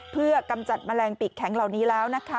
เพื่อกำจัดแมลงปีกแข็งเหล่านี้แล้วนะคะ